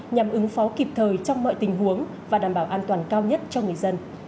nhằm ứng phó kịp thời trong mọi tình huống và đảm bảo an toàn cao nhất cho người dân